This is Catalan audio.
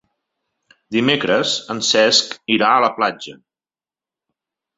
Dimecres en Cesc irà a la platja.